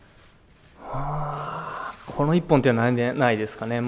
この１本というのはないですかね。